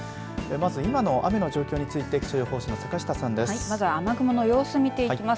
まず、今の雨の状況について気象予報士の坂下さんです。